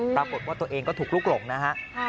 ปรากฏว่าตัวเองก็ถูกลุกหลงนะฮะ